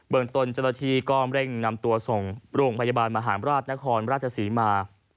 เบิ่งตนเจ้าเที่กล้อมเร่งนำตัวส่งโรงพยาบาลมหาญราชนครราชศรีมา